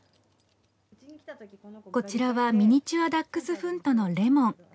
こちらはミニチュアダックスフントのれもん。